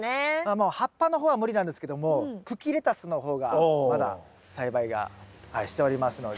もう葉っぱの方は無理なんですけども茎レタスの方がまだ栽培がしておりますので。